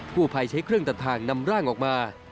ผู้ภัยใช้เครื่องตัดทางนำร่างออกมา